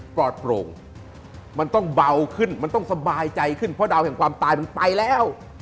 ปลอดโปร่งมันต้องเบาขึ้นมันต้องสบายใจขึ้นเพราะดาวแห่งความตายมันไปแล้ว